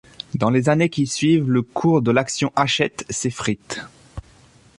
Dans les années qui suivent, le cours de l'action Hachette s'effrite.